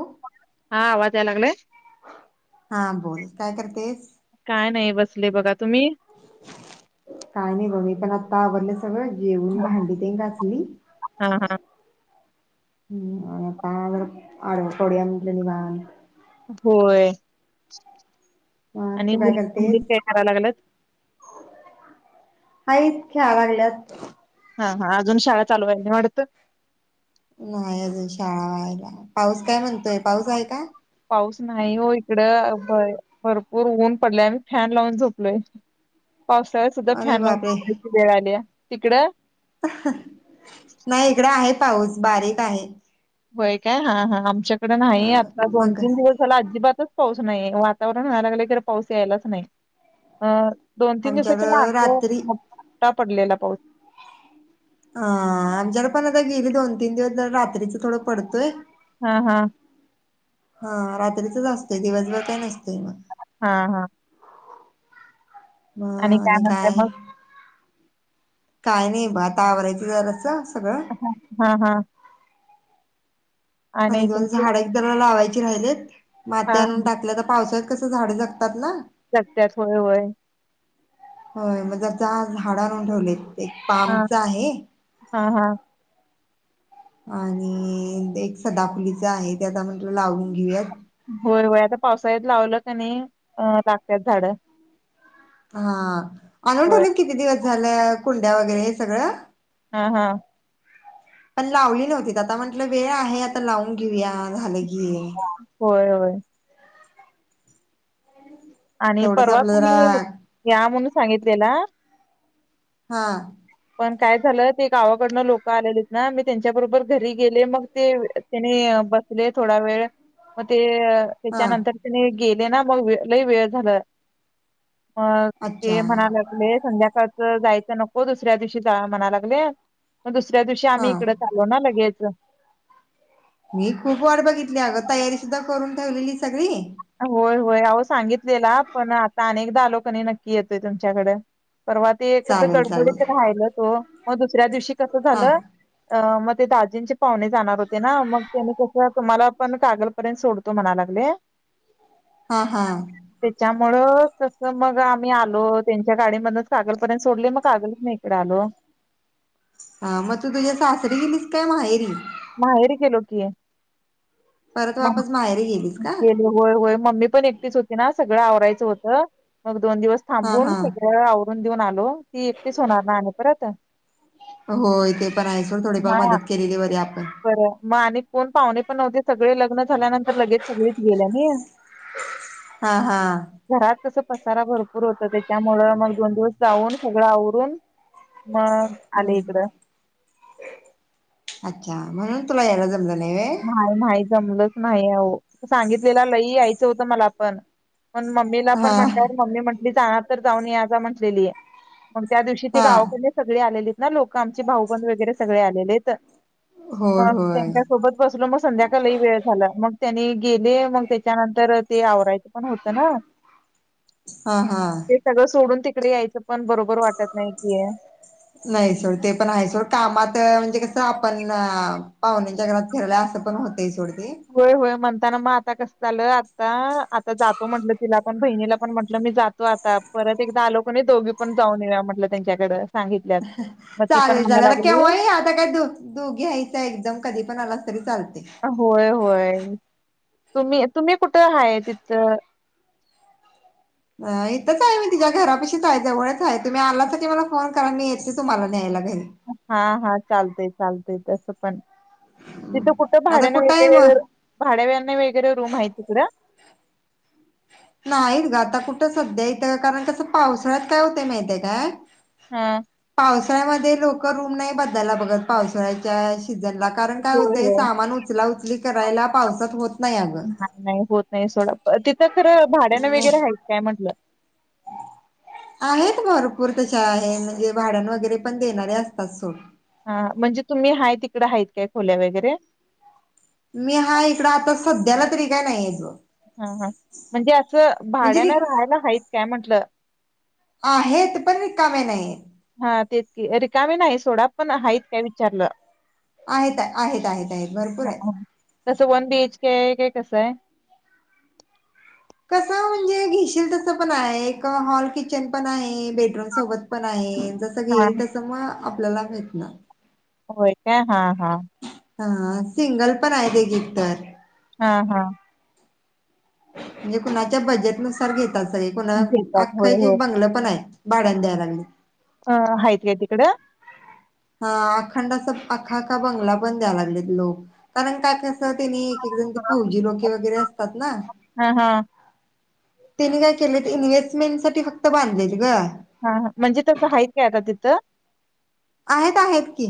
ओ हा आवाज याय लागले. हा बोल काय करतेस? काय नाही बसले बघा तुम्ही? काय नाही बघ मी पण आता आवरले सगळं जेऊन भांडी तेन घासली हा हा. हम्म आ पाहा लागत [unintelligible] निघले निवांत. होय. मग आणि तू मुल मुलीन काय कराव लागलेत? हायत खेळा लागल्यात. हा हा अजून शाळा चालू आहे नाही वाटतं. नाही अजून शाळा व्हायला पाऊस काय म्हणतोय पाऊस आहे का? पाऊस नाही हो इकडं भरपूर ऊन पडले आम्ही फॅन लावून झोपलोय. पावसाळ्यात सुद्धा अरे फॅन बापरे [unintelligible] वेळ आली आहे तिकडं? नाही इकडं आहे पाऊस बारीक आहे. व्हय काय हा हा आमच्याकडे ह नाही आता दोन मग तीन दिवस झाला अजिबातच पाऊस नाहीय वातावरण व्हायला लागलं की पाऊस यायलाच नाही. अं दोन तीन दिवसाच्या आमच्याकडं मागं रात्री मोठा पडलेला पाऊस. आं आमच्याला पण आता गेली दोन तीन दिवस जर रात्रीच थोडं पडतोय. हा हा. हा रात्रीचच असतय दिवसभर काय नसतय मग. हा हा. म आणि काय? काय नाही ब आता आवरायचं जरासा सगळं. हा हा. आणि गोन झाड एकदरला लावायची राहिलेत हा माती आणून टाकल्या तर पावसात तसं झाडं जगतात ना. [unintelligible] होय होय. होय म [unintelligible] झाडं आणून ठेवलेत ते एक हा, पामचा आहे. हा हा. आणि एक सदाफुलीच आहे त्यात आपलं म लावून घेऊयात. होय होय आता पावसाळयात लावलं क नाही अ लागत्यात झाड्या. हा आणून होय. ठेवेलत किती दिवस झालं कुंड्या वगैरे हे सगळं. हा हा. पण लावली नव्हती आता म्हंटलं वेळ आहे आता लावून घेऊया झालं की. होय होय. आणि तेवढंच परवा आपलं जरा तुम्ही या म्हणून सांगितलेला. हां. पण काय झालं ते गावाकडनं लोकं आलेलीत ना मी त्यांच्या बरोबर घरी गेले मग तेव त्याने बसले थोडा वेळ म ते अ हा त्याच्यानंतर त्याने गेले ना मग लय वेळ झालं. मग, अच्छा ते म्हणा लागले, संध्याकाळच जायचं नको, तस दुसऱ्या दिवशी जाऊया म्हणा लागले, मग दुसऱ्या दिवशी आम्ही हा इकडच आलो ना लगेच. मी खूप वाट बघितली अगं, तयारी सुद्धा करून ठेवलेली सगळी होय होय, अहो सांगितलेला, पण आता अनेकदा आलो कनी नक्की येतोय तुमच्याकडे. परवा ते कसं, चालेल चालेल गडबडीत राहिलंच ओ, मग दुसऱ्या दिवशी कसं हा झालं अ मग ते दाजींचे पाहुणे जाणार होते ना, मग त्यानी कस तुम्हाला पण कागल पर्यंत सोडतो म्हणा लागले. हा हा. त्याच्यामुळ कसं मग आम्ही आलो, त्यांच्या गाडीमधनच कागलपर्यंत सोडले, मग कागलसण इकडे आलो. हा, मग तू तुझ्या सासरी गेलीस, काय माहेरी? माहेरी गेलो की. परत मग वापस माहेरी गेलीस का? गेले होय होय, मम्मी पण एकटीच होती ना, सगळं आवरायचं होतं, मग दोन दिवस हा थांबून, हा सगळ आवरून देऊन आलो, ती एकटीच होणार ना, आणि परत होय ते पण आहे सोड, थोडीफार हा मदत केलेली बरे आपण बरं, मग आणि कोण पाहणे पण नव्हते, सगळे लग्न झाल्यानंतर लगेच सगळीच गेल्या नई. हा हा. घरात तस पसारा भरपूर होत, त्याच्यामुळ मग दोन दिवस जाऊन, सगळं आवरून मग, आले हम्म इकडं. अच्छा! म्हणून तुला यायला जमल नाही नाही, जमलंच नाही अहो, सांगितलेला लइ यायचं होतं मला पण, पण म ममीला हा पण म्हंटल्यावर मम्मी म्हटली जाणार तर जाऊन या जावा म्हटलेली, मग त्या दिवशी ती हा गावक सगळे आलेलीत ना लोक, आमचे भाऊबंद वगैरे सगळे आलेलित, होय मग होय त्यांच्या सोबत बसलो, मग संध्याकाळीही वेळ झाल, मग त्यांनी गेले, मग त्याच्यानंतर ते आवरायचं पण होतं ना. हा हा. ते सगळं सोडून तिकडे यायचं पण बरोबर वाटत नाही कि. नाही सोड, ते पण आहे सोड, कामात म्हणजे कसं आपण पाहुण्यांच्या घरात फिरलय असं पण होत य सोड ते होय होय, म्हणताना मग आता कसं झालं, आता आता जातो म्हटलं तिला पण बहिणीला, पण म्हटलं मी जात तो आता, परत एकदा आलो क नई दोघी पण जाऊन येऊया म्हटलं त्यांच्याकडं. सांगितल्यात. मग ती पण चालेल म्हणायला चालेल, आता लागली केव्हाही या, आता काय तू दोघी यायच एकदम, कधी पण आला तरी चालतय. होय होय, तुम्ही, तुम्ही कुठं हाय तिथं? अ इथंच आहे मी तिच्या घरापाशीच आहे, जवळच हाय, तुम्ही आलासा की मला फोन करा, मी येते तुम्हाला न्यायला घरी. हा हा, चालतय, चालतय, तसं पण तिथं कुठं आता भाड्याना कुठं आहे मग? वैगेरे, भाड्यान वेगैरे रूम आहे तिकड? नाहीत ग, आता कुठं सध्या हित, कारण कसं पावसाळ्यात काय होतय माहितय काय? हा. पावसाळ्यामध्ये लोक रूम नाही बदलयला बघत, पावसाळ्याच्या सीझनला, कारण काय होय होतय? होय. सामान उचला उचली करायला, पावसात होत नाही अगं. नाही नाही, होत नाही सोडा, तिथं खरं भाड्यान वगैरे आहेत काय म्हटलं? आहेत, भरपूर तशा आहेत, म्हणजे भाड्याने वगैरे पण देणारे असतात सोड. हा, म्हणजे तुम्ही आहे तिकडं आहेत काय खोल्या वगैरे? मी हाय इकड, आता सध्याला तरी काय नाहीयेत बग. हा हा, म्हणजे असं, म्हणजे भाड्यान रि राहायला हायीत काय म्हटलं? आहेत पण रिकामे नाही. हा तेच की रिकामी नाही सोडा पण हाईत काय विचारलं. आहेत आहेत आहेत आहेत भरपूर आहेत. हा तसं वन बीएच केे हाय काय कसं आहे? कसं म्हणजे घेशील तसं पण आहे एक हॉल किचन पण आहे, बेडरूम सोबत पण आहे जस हा घेईल तस मग आपल्याला भेटणार. होय काय हा हा. हा सिंगल पण आहे एक-एक तर. हा हा. म्हणजे कुणाच्या बजेट नुसार घेतात सगळे कुणा घेतात अख्खं होय होय. एक बंगलं पण आहे. भाड्याने द्यायला लागले. अ हायत काय तिकड? हा अखंड अस आख्खा बंगला बन द्यायला लागलेत लोक कारण काय कसं त्यांनी फौजी लोके वगैरे असतात ना. [inaudible] हा हा त्यांनी काय केलं इन्व्हेस्टमेंट साठी फक्त बांधलेत ग. हा हा म्हणजे तसं हाई‌त काय आता तिथं? आहेत आहेत की.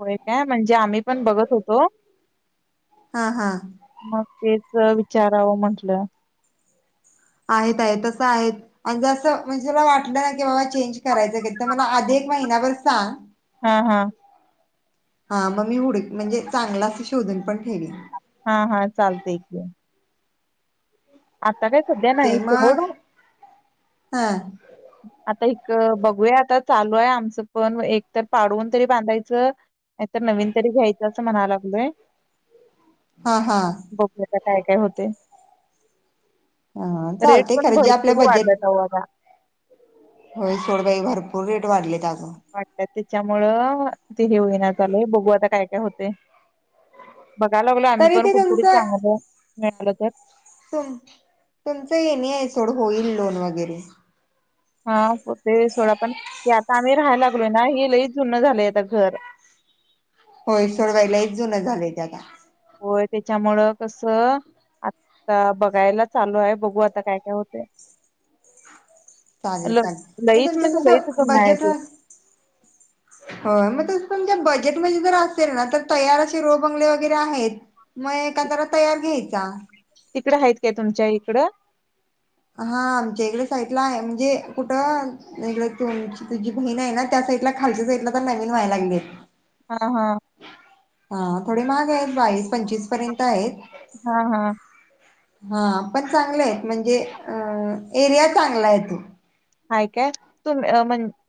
होय काय म्हणजे आम्ही पण बघत होतो. हा हा. मग तेच विचारावं म्हंटलं. आहेत आहेत तसं आहेत. आणि जसं म्हणजेला वाटलं ना की बाबा चेंज करायचं तिथं तर मला आधी एक महिनाभर सांग. हा हा. हा मग मी हुड, म्हणजे चांगला असं शोधन पण ठेवीण. हा हा चालतय की. आत्ता काय सध्या ते नाही सोड मग, हा. आता एक बघूया आता चालू आहे आमचं पण एक तर पाडवून तरी बांधायचं नाही तर नवीन तरी घ्यायचं असं म्हणाय लागलोय. हा हा. बघुया आता काय-काय होते. हा रेट चालते पण खरं जे आपल्या भरपूर बजेट वाढल्यात. सव्वा दहा. होय सोड बाई भरपूर रेट वाढलेत आजुन. वाटत त्याच्यामुळं ते हे होईना झालेय बघू आता काय-काय होते. बघाय लागलो आम्ही तरी पण ते कुठेतरी तुमचं चांगलं मिळालं तर. तुम-तुमचं एन ए आहे सोड होईल लोन वगैरे. हा ते सोडा पण आता आम्ही राहायला लागलोय ना हे लई जुनं झालंय आता घर. होय सोड ग लयच जुन झालय ते आता. होय त्याच्यामुळं कस आता बघायला चालू आहे बघू आता काय-काय होते. [inaudible] चालेल चालेल मग ल-लईच तुमचं म्हणजे लईच तसं जुनं आहे ते. [inaudible] हा मग त तुमच्या बजेटमध्ये जर असेल ना तर तयार असे रो बंगले वगैरे आहेत. मग एका तर तयार घ्यायचा. तिकडं आहेत काय तुमच्या इकडं? हा आमच्या इकडे साईटला आहे म्हणजे कुठं नाय इकड तुमची तुझी बहीण आहे ना त्या साईडला खालच्या साईडला आता नवीन व्हायला लागलीत. हा-हा हा थोडे महाग आहेत बावीस पंचवीस पर्यंत आहेत. हा हा हा पण चांगले आहेत म्हणजे अ एरिया चांगला आहे तो हाय काय तुम म्ह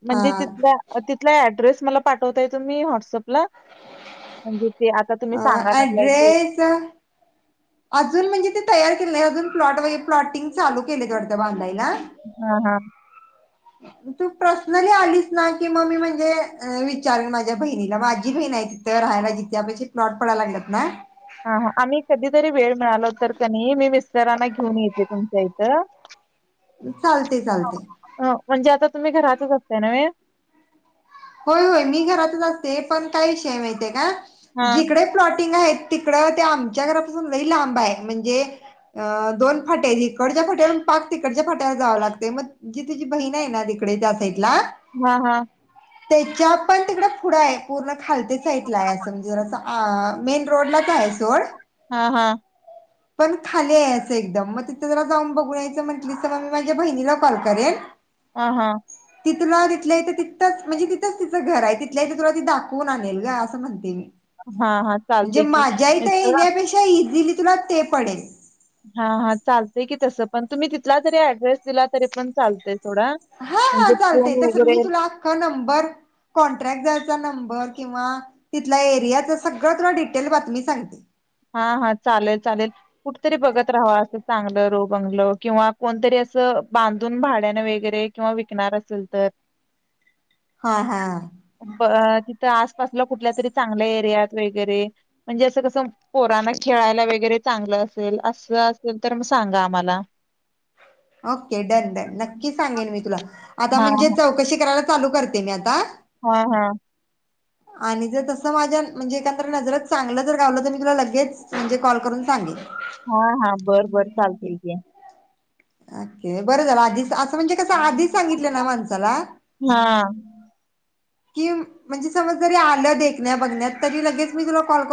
म्हणजे तिथल्या अ तिथला ऍड्रेस मला पाठवताय तुम्ही व्हॉट्सअपला म्हणजे ते आता तुम्ही सांगाय हा लागलाय ते [unintelligible] अजून म्हणजे ते तयार केले नाय अजून प्लॉट व प्लॉटिंग चालू केलेत वाटतं बांधायला हा हा तू पर्सनली आलीस ना की म मी म्हणजे विचारीन माझ्या बहिणीला माझी बहीण आहे तिथं थं राहायला जीच्या पाशी प्लॉट पडाय लागलत ना हा हा आम्ही कधीतरी वेळ मिळालो तर कनी मी मिस्टरांना घेऊन येते तुमच्या इथं चालते चालते. अ म्हणजे आता तुम्ही घरातच असताय नव्हे. होय होय मी घरातच असते पण काय विषयये माहितीये का हां. जिकडे प्लॉटिंग आहेत तिकडं ते आमच्या घरापासून लय लांब हाय म्हणजे अ दोन फाटे हाईत इकडच्या फाट्यावरून पाक तिकडच्या फाट्यावर जावं लागतय मग जी तुझी बहीण आहे ना तिकडे त्या साईड ला हा हा त्याच्या पण तिकड पुढं हाय पूर्ण खालते साईटला अस म्हणजे जरांसं आआ मेन रोडलाच हाय सोड हा हा पण खाली हाय असं एकदम म तिथं जरा जाऊन बघून यायचं म्हंटलीसं त म मी माझ्या बहिणीला कॉल करेन. हां हां ती तुला तिथल्या तिथं तिथंच म्हणजे तिथंच तिचं घर आहे तिथल्या तिथं तुला ती दाखवून आणेल ग असं म्हणते मी हां, हां. म्हणजे चालतंय की माझ्या इथ मिस्टर येण्यापेक्षा इजीली तुला ते पडेल. हा हा चालतेय की तसं पण तुम्ही तिथला जरी ऍड्रेस दिला तरी पण चाल तय सोडा म्हणजे फोन वगैरे हो नंबर कॉन्ट्रॅक्टदाराचा नंबर किंवा तिथल्या एरियाचा सगळं तुला डिटेल बातमी सांगते. हा हा चालेल चालेल कुठतरी बघत राहावा असं चांगलं रो बंगलों किंवा कोणतरी असं बांधून भाड्यानं वगैरे किंवा विकणार असल तर हा हा प तिथ आस असलं कुठल्या तरी चांगल्या एरियात वगैरे म्हणजे असं कसं पोराना खेळायला वगैरे चांगलं असेल असं असेल तर म सांगा आम्हाला ओके डन डन नक्की सांगेन मी तुला आता हा म्हणजे चौकशी करायला चालू करते मी आता हा हा आणि जर तसं माझ्या म्हणजे एकंदर नजरच चांगलं जर गावलं तर मी तुला लगेच म्हणजे कॉल करून सांगिन. हा हा बर बर चालतय की, ओके बरं झालं आधीच आज म्हणजे कस आधी सांगितलं न माणसाला हा की म्हणजे समज जरी आलं देखण्या बघण्यात तरी लगेच मी तुला कॉल कर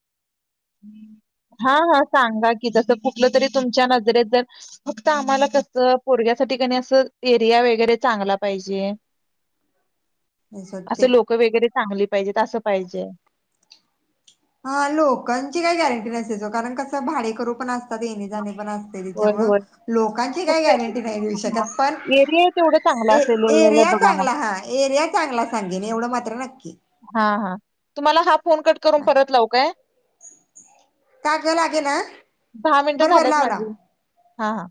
हम् [inaudible] हा हा सांगा की तसं कुठलं तरी तुमच्या नजरेत जर फक्त आम्हाला कसं पोरग्यासाठी अन कसं एरिया वगैरे चांगला पाहिजे. करून असं ते लोक वगैरे चांगली पाहिजेत असं पाहिजे. हा लोकांची काही गॅरंटी नसते जो कारण कसं भाडे करू पण असतात येणे जाणे पण असतात. होय त्याच्यामुळ होय लोकांची काही फक्त गॅरंटी नाही देऊ हां. शकत पण एरिया तेवढं चांगला असेल ए- वेगवेगळं एरिया बघा मग चांगला हा एरिया चांगला सांगेने एवढं मात्र नक्की हा हा तुम्हाला हा फोन कट करून हा परत लावू काय? कागं लागे ना दहा मिनिट बरं बरं झाल्यात लाव लाव माझी हा हा